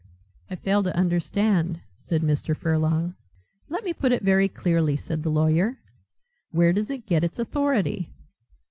"I fail to understand," said Mr. Furlong. "Let me put it very clearly," said the lawyer. "Where does it get its authority?"